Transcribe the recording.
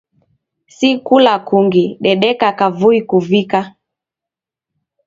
Si kula kungi, dedeka kavui kuvika.